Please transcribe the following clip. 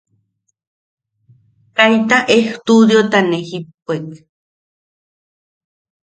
Kaita ejtudiota ne jippuek.